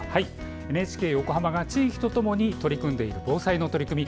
ＮＨＫ横浜が地域とともに取り組んでいる防災の取り組み